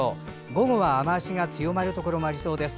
午後は雨足が強まるところもありそうです。